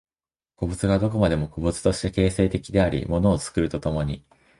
個物がどこまでも個物として形成的であり物を作ると共に、